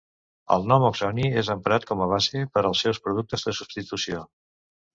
El nom oxoni és emprat com a base per als seus productes de substitució.